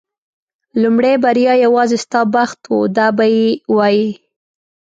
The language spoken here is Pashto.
لومړۍ بریا یوازې ستا بخت و دا به یې وایي.